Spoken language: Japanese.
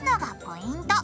ポイント！